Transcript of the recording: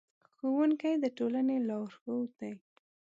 ښوونکي د ټولنې لارښود دي.